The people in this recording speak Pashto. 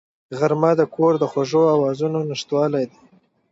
غرمه د کور د خوږو آوازونو نشتوالی دی